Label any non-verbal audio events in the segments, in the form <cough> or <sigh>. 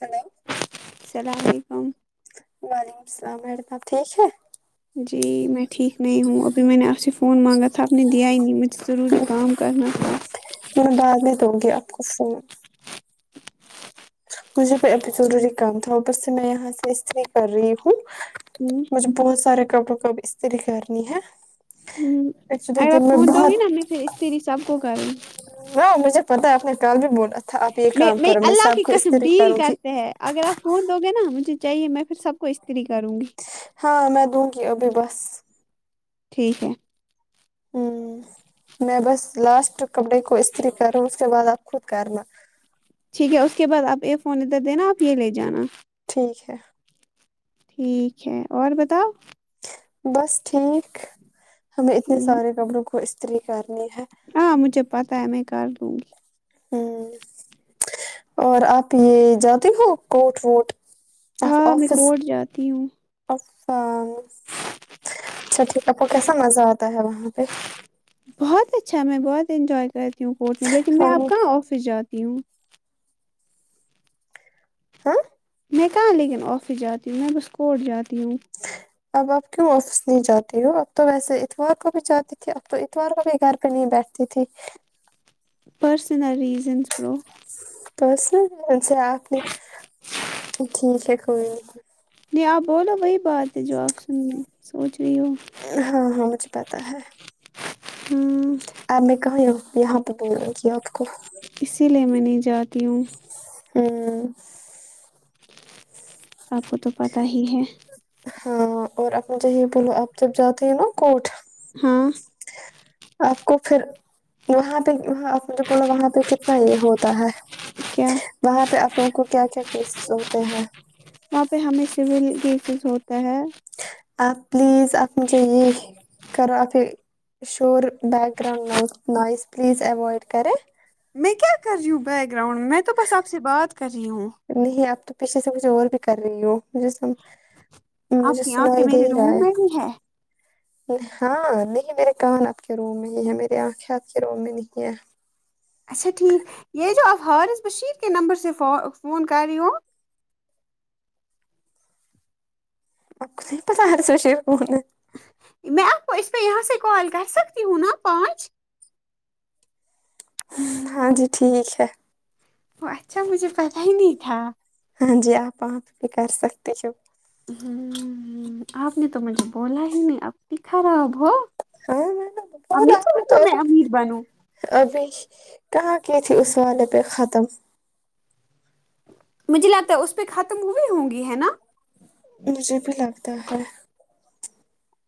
hello سلام و علیکم وعلیکم السلام میڈم آپ ٹھیک ہے جی میں ٹھیک نہیں ہوں ابھی میں نے آپ سے فون مانگا تھا اب نے دیا ہی نہیں مجھ ضروری کام کرنا تھا میں بعد میں دونگی آپ کو فون مجھے تو ابھی ضروری کام تھا اوپر سے میں یہاں سے استری کر رہی ہوں ہوں، مجھے بہت سارے کپڑ وں کو ابھی استری کرنی ہے ہوں، ایکچولی اگر آپ دن میں فون دونگی بہت نا میں پھر استری سب کو کروں گی ہاں مجھے پتہ ہے آپ نے کل بھی بولا تھا آپ یہ کام کرو میں سب کو قسم استری ڈیل کروں گی کرتے ہیں اگر آپ فون دو گے نا مجھے چاہیے میں پھر سب کو استری کروں گی ہاں میں دونگی ابھی بس ٹھیک ہے ہوں میں بس لاسٹ کپڑے کو استری کروں ہوں اس کے بعد آپ خود کرنا ٹھیک ہے اس کے بعد آپ اے فون ادھر دینا آپ یہ لے جانا ٹھیک ہے ٹھیک ہے اور بتاؤ بس ٹھیک ہمیں اتنے ہوں، سارے کپڑ وں کو استری کرنی ہے ہاں مجھے پتہ ہے میں کر لوں گی ہوں اور آپ یہ جاتے ہو کوٹ ووٹ آپ ہاں میں آفس کورٹ جاتی ہوں اچھا اچھا ٹھیک آ پکو کیسا مزہ آتا ہے وہاں پہ بہت اچھا میں بہت انجوائے کرتی ہوں کورٹ میں لیکن ہاں میں اب کہاں آفس جاتی ہوں ہاں میں کہاں لیکن آفس جاتی ہوں میں تو ا سکول جاتی ہوں <unintelligible> اب آپ کیوں آفس نہیں جاتی ہو اب تو ویسے اتوار کو بھی جاتی تھی اب تو اتوار کو بھی گھر پہ نہیں بیٹھ تی تھی پررسنل ریزنز برو پرسنل اچھا آپ نے ٹھیک ہے کوئی نہیں نہیں آپ بولو وہی بات ہے جو آپ سن سوچ رہی ہو ہاں ہاں مجھے پتا ہے ہوں آپ نےکہا یاں یہاں پہ بول رہے ہو آپ کو اسی لیے میں نہیں جاتی ہوں ہوں آپ کو تو پتہ ہی ہے ہاں اور آپ مھے یہ بولو آپ جب جاتے ہیں نا کوٹ ہاں آپ کو پھر وہاں پہ وہاں جو بولا وہاں پہ کتنا یہ ہوتا ہے کیا وہاں پہ آپ لوگوں کو کیا کیا کیسز ہوتے ہیں وہاں پہ ہمیں سول کیسز ہوتا ہے آپ پلیز آپ مجھے یہ کر آکے شور بیک گراؤنڈ نہ نوائز پلیز اوائڈ کریں میں کیا کر رہی ہوں بیک گراؤنڈ میں تو بس آپ سے بات کر رہی ہوں نہیں آپ تو پیچھے سے کچھ اور بھی کر رہی ہو مجھے سم ہوں آپ مجھے کی آنکھیں سنائی دے میرے رہا روم ہے میں بھی ہاں نہیں میں نے کہا نا آپ کے رو میں نہیں ہے میرے انکھیں آپ کے رو میں نہیں ہے اچھا ٹھیک یہ جو آپ حارث بشیر کے نمبر سے ف فون کر رہی ہو <unintelligible> ہونا ہے یہ میں آپ کو اس پے یہاں سے کال کر سکتی ہون نا پانچ ہاں جی ٹھیک ہے وہ اچھا مجھے پتا ہی نہیں تھا ہاں جی آپ وہاں پہ بھی کر سکتے جو ہوں آپ نے تو مجھے بولا ہی نہیں آپ بھی خراب ہو ہاں میں نے امی بولا آپ نے چاہتی ہے تو ابھی میں امیر بنوں ابھی کہاں کی تھی اس والے پہ ختم مجھے لگتا ہے اس پہ ختم ہوئی ہوں گی ہے نا مجھے بھی لگتا ہے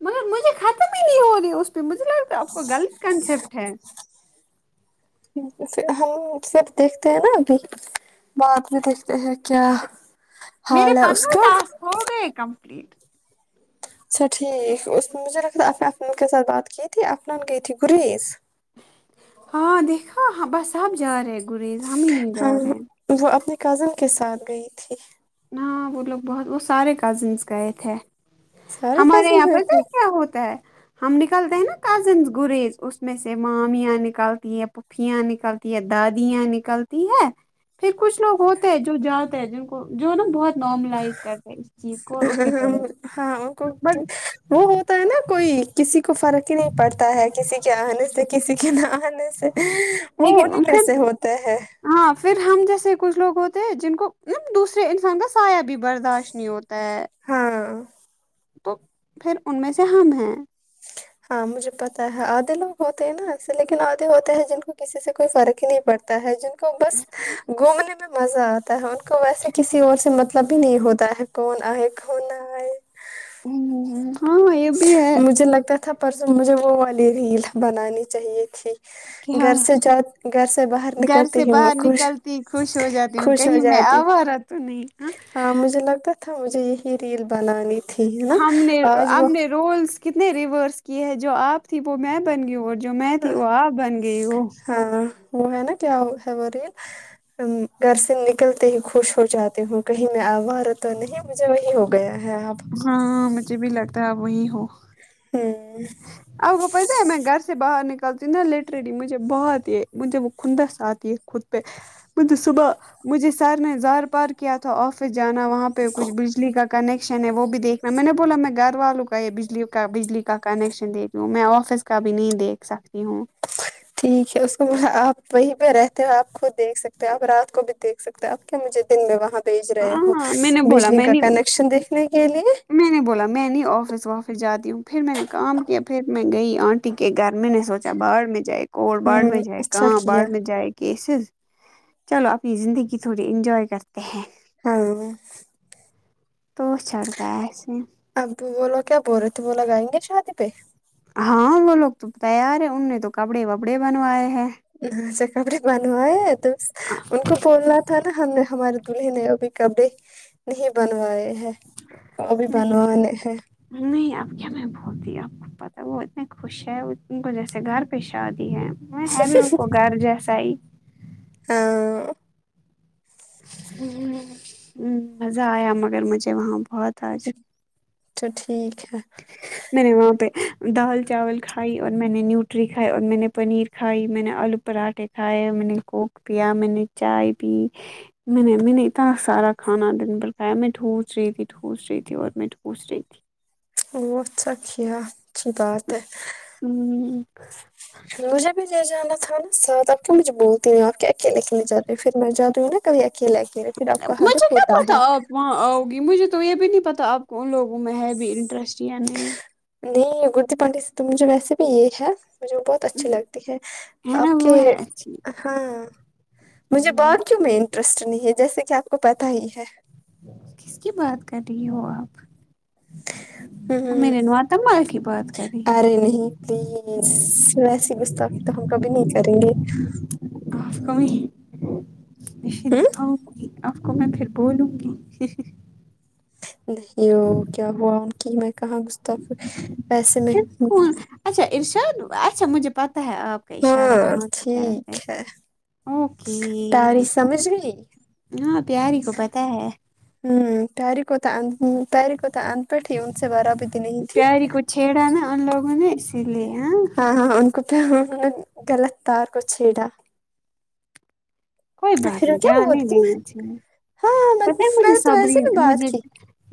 مگر مجھے ختم ہی نہیں ہو رہی ہے اس پہ مجھے لگتا ہے آپ کو غلط کنسپٹ ہے ویسے ہم سب دیکھتے ہیں نا ابھی بعد میں دیکھتے ہیں کیا ہ حال ہے اس کا ہوگے کمپلیٹ اچھا ٹھیک اس نے مجھے لگتا عفنان کے ساتھ بات کی تھی عفنان گئی تھی گریز ہاں دیکھا ہ بس سب جا رہے ہیں گریز ہم ہی نہیں جا ہاں رہے ہیں وہ اپنے کزن کے ساتھ گئی تھی نا وہ لوگ بہت وہ سارے کزنس گئے تھے سارے ہمارے یہاں کزن گئے پر تھے سایڈ کیا ہوتا ہے ہم نکلتے ہیں نا کزنس گریز اس میں سے مامیاں نکلتی ہے پ ھوپھیاں نکلتی ہے دادیاں نکلتی ہیں پھر کچھ لوگ ہوتے ہیں جو جاتے ہیں جن کو جو ہے نا بہت نارملائز کرتے ہیں کور اوکے ہاں ان کو وہ ہوتا ہے نا کوئی کسی کو فرق ہی نہیں پڑتا ہے کسی کیا آنے سے کسی کے نہ آنے سے وہ لیکن انہیں ان میں کن سے ہوتے ہے ہاں پھر ہم جیسے کچھ لوگ ہوتے ہیں جن کو نا دوسرے انسان کا سایہ بھی برداشت نہیں ہوتا ہے ہاں تو پھر ان میں سے ہم ہیں <inaudible> ہاں مجھے پتا ہے آدھے لوگ ہوتے ہیں نا ایسے لیکن آدھے ہوتے ہیں جن کو کسی سے کوئی فرق ہی نہیں پڑتا ہے جن کو بس گھومنے میں مزہ آتا ہے ان کو ویسے کسی اور سے مط کبھی نہیں ہوتا ہے کون آئے کون نا آئے ہاں یہ بھی ہے مجھے لگتا تھا پرسوں مجھے وہ والی ریل بنانی چاہیے تھی کہ گھر ہاں سے جا گھر سے باہر گھر نکلتے سے ہی وہ باہر خوش نکلتی خوش ہو جاتی ہوں خوش ہو کہیں میں جاتی آوارہ تو نہیں ہاں مجھے لگتا تھا مجھے یہی ریل بنانی ٹھیک ہے نا ہم نے آج ہم وہ نے رولس کتنے ریورس کئے ہے جو آپ تھی وہ میں بن گی ہوں اور جو میں تھی وہ آپ بن گئی ہو ہاں وہ ہے نا کیا ہے وہ ریل گھر سے نکلتے ہی خوش ہو جاتے ہو کہیں میں اورا تو نہیں مجھے وہی ہو گیا ہے اب ہاں مجھے بھی لگتا ہے آپ وہی ہو ہوں آپ کو پتہ ہے میں گھر سے باہر نکلتی نہ لٹرلی مجھے بہت یہ مجھے وہ کھوندس آ تی ہےخود پے میں تو صبح مجھے سر نے زار پار کیا تھا آفس جانا وہاں پہ کچھ بجلی کا کنیکشن ہے وہ بھی دیکھ نا میں نے بولا میں گھر والوں کا یہ بجلی کا بجلی کا کنیکشن دیکھوں میں آفس کا بھی نہیں دیکھ سکتی ہوں ٹھیک ہے اس کو آپ وہیں پہ رہتے ہو آپ خود دیکھ سکتے ہو آپ رات کو بھی دیکھ سکتے ہیں آپ کیوں مجھے دن میں وہاں بھیج رہے ہو ہاں میں نے بولا بجلی میں کا نے کنیکشن دیکھنے کے لیے میں نے بولا میں نہیں آفس وافس جاتی ہوں پھر میں نے کام کیا پھر میں گئی آنٹی کے گھر میں نے سوچا بھاڑ میں جائے کورٹ بھاڑ میں ہوں جائے اچھا کام کیا باڑھ میں جائے کیسز چلو اپنی زندگی تھوڑی انجوائے کرتے ہیں ہاں تو چڑھتا ہے اس میں ابو وہ لوگ کیا بول رہے تھے وہ لگائیں گے شادی پہ ہاں وہ لوگ تو تیار ہے ان نے تو کپڑے وپڑے بنوائے ہیں سے کپڑ بنوا ہے تو س ان کو بولنا تھا نا ہم نے ہمارے دلہے نے ابھی کپڑے نہیں بنوائے ہیں ابھی نہیں بنوانے ہے نہیں آپ کیا میں بھولتی آپ کو پتہ وہ اتنے خوش ہیں ان کو جیسے گھر پہ شادی ہے نہیں ہے بھی انکو گھر جیسا ہی ہاں وں ہوں ہوں ہوں مزہ آیا مگر مجھے وہاں بہت آج تو ٹھیک ہے میں نے وہاں پہ دال چاول کھائی اور میں نے نیوٹری کھائی اور میں نے پنیر کھائی میں نے آلو پراٹھے کھائے میں نے کوک پیا میں نے چائے پی میں نے امی نے اتنا سارا کھانا دن بھر کھایا میں ٹھوس رہی تھی ٹھوس رہی تھی اور میں ٹھوس رہی تھی وہ اچھا کیا اچھی بات ہے ہوں، مجھے بھی لے جانا تھا نا سرد آپ کو مجھے بولتی ہوں آپ کے اکیلے کے لیے جاتی پھر میں جای ہوں نا کبھی اکیلے اکیلے پھر آپ کا مجھے حدق کیا ہوتا پتا ہے آپ وہاں آؤ گی مجھے تو یہ بھی نہیں پتہ آپ کو ان لوگوں میں ہے بھی انٹرسٹ یا نہیں نہیں گردی پانڈی سے تو مجھے ویسے بھی یہ ہے مجھے بہت اچھی لگتی ہے ہے نا آپ کے وہ ہے اچھی ہاں مجھے با ہوں، کیوں میں رسٹ نہیں ہے جیسے کہ آپ کو پتا ہی ہے کس کی بات کر رہی ہو آپ ہ میرے نواتم مال کی بات کر رہی ار ہوں نہیں پلیز ویسی گستاخی تو ہم کبھی نہیں کریں گے آف کوئی ایشے ہ دکھاؤ گی آپ کو میں پھر بولوں گی ہ نہیں ہو کیا ہوا ان کی میں کہاں مست ویسے میں پھر کون اچھا ارشاد اچھا مجھے پتہ ہے آپ کا اشارہ ہاں کہاں کی ٹھیک طرف ہے اوکے تاری دیکھو سمجھ گئی ہاں پیاری کو پتہ ہے ہوں پیاری کو تو ان پٹ کو پیاری تو ان پٹ ہی ان سے بارا بھی نہیں تھی پیاری کو چھیڑا نا ان لوگوں نےا اسی لیے آں ہاں ہاں ان کو پہ ہ غلط تار کو چھیڑا کوئی بات پھر وہ نہیں کیا دھیان بول نہیں رہی تھی میں دینا چاہیے ہاں میں پتا ہے میں مجھے نے تو صبر ویسے ہی بھی بات مجھے کی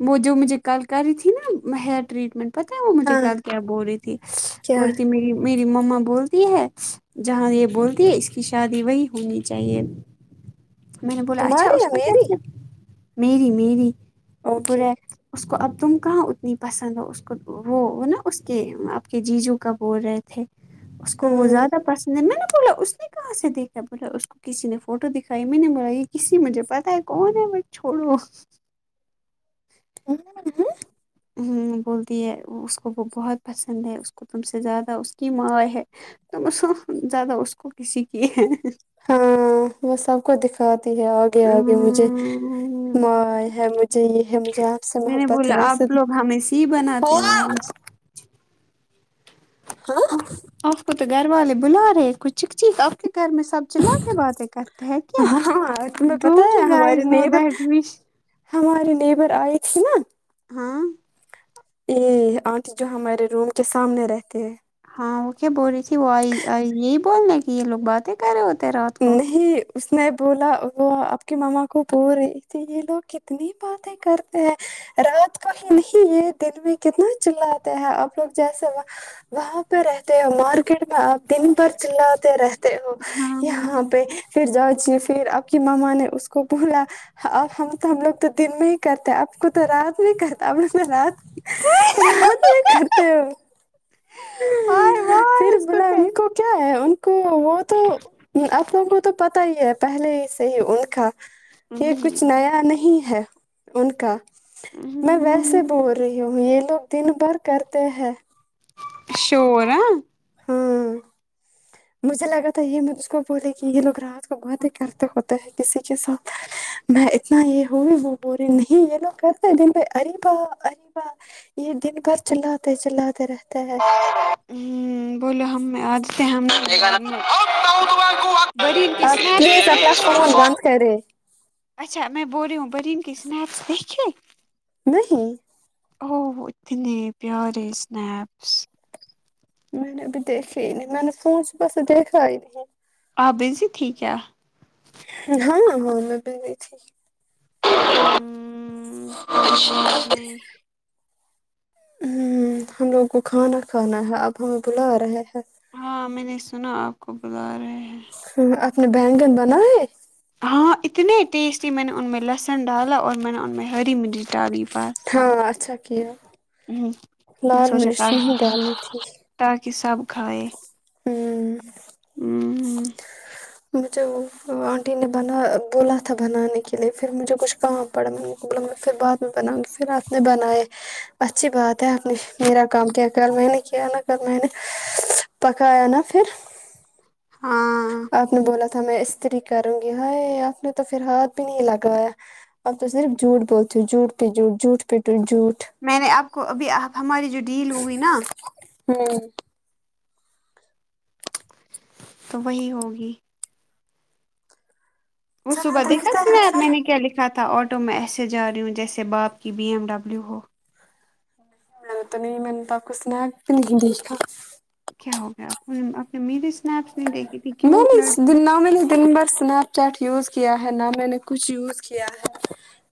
وہ جو مجھے کل کر رہی تھی نا ہیئر ٹریٹمنٹ پتہ ہے وہ مجھے ہاں کل کیا بول رہی تھی کیا بول رہی تھی میری میری مما بولتی ہے جہاں یہ بولتی ہے اس کی شادی وہی ہونی چاہیے میں نے بولا اچھا تمہاری اس یا کو میری میری میری اوکے بورے اس کو اب تم کہاں اتنی پسند ہو اس کو وہ نا اس کے آپ کے جیجو کا بول رہے تھے اس کو وہ ہاں زیادہ پسند ہے میں نے بولا اس نے کہاں سے دیکھا بولا اس کو کسی نے فوٹو دکھائی میں نے بولا یہ کسی مجھے پتا ہے کون ہے وہ چھوڑو <unintelligible> بولتی ہے اس کو وہ بہت پسند ہے اس کو تم سے زیادہ اس کی ماں ہے تم اسو زیادہ اس کو کسی کی ہاں وہ سب کو دکھاتی ہے آگے آگے مجھے مے ہے مجھے یہ ہے مجھے آپ سے محبت ہے ویسے بھی دی بناتے ہیں وہ ہم سے ہاں آپ کو تو گھر والے بلا رہے کچھ چک چی آپ کے گھر میں سب چلاتے کے باتیں کر ہاں ہاں تمہیں پتہ ہے ہمارے guys no neighbour that wish ہمارے نیبر آئے تھے نا ہاں یہ آنٹی جو ہمارے روم کے سامنے رہتے ہے ہاں وہ کیا بول رہی تھی وہ آئی آئی یہی بولنے کہ یہ لوگ باتیں کر رہے ہوتے رات کو نہیں اس نے بولا وہ آپ کی مما کو بول رہی تھی یہ لوگ کتنی باتیں کرتے ہیں رات کو ہی نہیں یہ دن میں کتنا چلاتے ہیں آپ لوگ جیسے وہاں پہ رہتے ہیں مارکیٹ میں آپ دن بھر چلاتے رہتے ہو یہاں پہ پھر جاچیے پھر آ پ کی مما نے اس کو بولا اب ہم تو ہم لوگ تو دن میں ہی کرتے آپ کو تو رات میں کرتا آپ لوگ تو رات رات میں کرتے ہو ہائے واہ پھر اس بلا کیا ان کو کیا ہے ان کو وہ تو آپ لوگوں کو تو پتا ہی ہے پہلے ہی سے ہی ان کا یہ کچھ نیا نہیں ہے ان کا میں ویسے بول رہی ہوں یہ لوگ دن بھر کرتے ہیں شور ہیں ہوں مجھے لگا تھا یہ مج اس کو بولے کہ یہ لوگ رات کو باتیں کرتے وق ت لگتا ہے کسی کے ساتھ میں ات نا یہ ہو رہی وہ ہو رہی نہیں یہ لوگ کہتے دن پہ اریبہ اریبہ یہ دن بھر چلاتے چلاتے رہتے ہیں ہوں بولو ہم آج سے ہم ہے نہ بڑی آپ قسمت پلیز اپنا فون بند کرے اچھا میں بول رہی ہوں بریم کی اسنیکس دیکھیے نہیں و ہو اتنے پیارے اسنپس میں نے ابھی دیکھے ہی نہیں میں نے فون صبح سے دیکھا ہی نہیں آپ بزی تھی کیا ہاں ہاں <unintelligible> اچ <inaudible> ہمم ہم لوگوں کو کھانا کھانا ہے اب ہمیں بلا رہے ہیں ہاں میں نے سنا آپ کو بلا رہے ہیں تھو اپ نے بیگن بناے ہے ہاں اتنے ٹیسٹی میں نے ان میں لہسن ڈالا اور میں نے ان میں ہری مرچ ڈالی ہاں اچھا کیا ہوں لال مرچ نہیں ڈالنی تھی تاکہ سب کھائے ہوں ہوں مجھے آنٹی نے بنا بولا تھا بنانے کے لیے پھر مجھے کچھ کام پڑا پھر بعد میں بناؤ گی پھر آپ نے بنائے اچھی بات ہے آپ نے میرا کام کیا کل میں نے کیا نا کل میں نے پکایا نا پھر ہاں آپ نے بولا تھا میں استری کروں گی ہائے آپ نے تو پھر ہاتھ بھی نہیں لگایا اب تو صرف جھوٹ بولتے ہو جھوٹ پہ جھوٹ جھوٹ پہ تیز جھوٹ میں نے آپ کو ابھی آپ ہماری جو ڈیل ہوئی نا ہوں تو وہی ہوگی وہ چلو صبح دیکھا دیکھتے ہیں سنیپ میں نے پھر کیا لکھا تا آٹو میں ایسے جا رہی ہوں جیسے باپ کی بی ایم ڈبلیو ہو مانے تو نہیں مانے کھا کوئی سنیپ نہیں دیکھا کیا ہو گیا ہم آپ نے میری اسنیپس نہیں دیکھی تھی میں کیوٹ نے اس لڑکی دن نہ مینے دن بھر سنیپ چیٹ یوز کیا ہے نہ میں نے کچھ یوز کیا ہے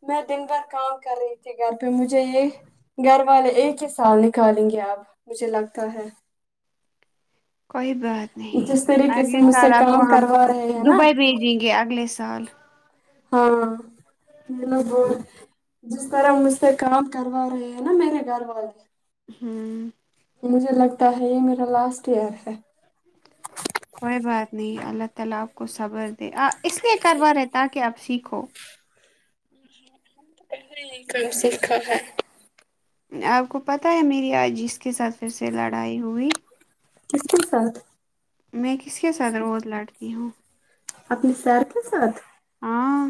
میں دن بھر کام کر رہی تھی گھر پہ مجھے یہ گھر والے ایک ہی سال نکالیں گے آپ مجھے لگتا ہے کوئی بات نہیں جس طریقے سے اگلے مجھ سے سال آپ کو کام ہم کروا رہے ہیں نا دبئی بھیج دے گے اگلے سال ہاں ملا بول ہوں جس طرح مجھ سے کام کروا رہے ہیں نا میرے گھر والے ہوں مجھے لگتا ہے یہ میرا لاسٹ ایئر ہے کوئی بات نہیں اللہ تعالی آپ کو صبر دے اس لیے کروا رہے تاکہ اپ سیکھو کم سکھا ہے آپ کو پتہ ہے میری آج اس کے ساتھ پھر سے لڑائی ہوئی کس کے ساتھ میں کس کے ساتھ روز لڑتی ہوں اپنی سر کے ساتھ ہاں